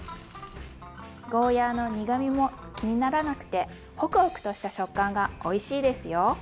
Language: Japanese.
ゴーヤーの苦みも気にならなくてホクホクとした食感がおいしいですよ。